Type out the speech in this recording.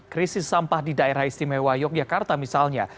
krisis sampah di daerah istimewa yogyakarta misalnya